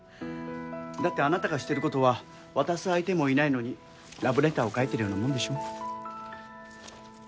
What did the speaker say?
だってあなたがしてることは渡す相手もいないのにラブレターを書いているようなもんでしょう？